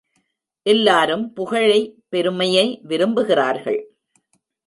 எல்லாரும் புகழை பெருமையை விரும்புகிறார்கள்.